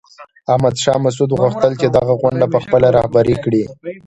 احمد شاه مسعود غوښتل چې دغه غونډه په خپله رهبري کړي.